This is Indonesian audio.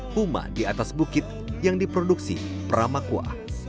huma di atas bukit yang diproduksi pramakua